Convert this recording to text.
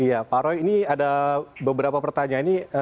ya pak roy ini ada beberapa pertanyaan